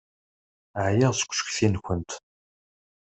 Ɛyiɣ seg ucetki-nkent.